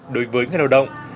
đối với người lao động